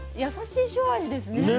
優しい塩味ですね。